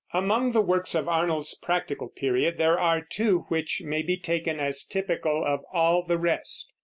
Among the works of Arnold's practical period there are two which may be taken as typical of all the rest.